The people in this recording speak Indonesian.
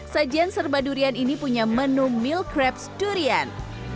sajian serba durian ini punya menu meal crabs durian